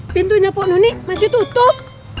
pintunya pak noni masih tutup